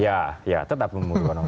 ya ya tetap memerlukan